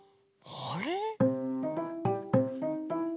あれ？